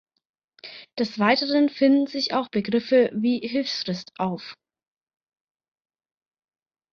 Des Weiteren finden sich auch Begriffe wie Hilfsfrist auf.